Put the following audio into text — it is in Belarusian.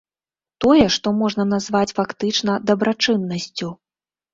Тое, што можна назваць фактычна дабрачыннасцю.